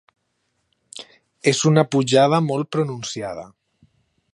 És una pujada molt pronunciada.